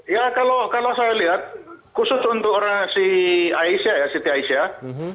ya kalau saya lihat khusus untuk orang si aisyah ya siti aisyah